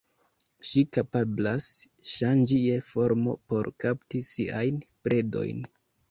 Ŝi kapablas ŝanĝi je formo por kapti siajn predojn.